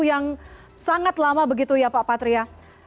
yang sangat lama begitu ya pak patria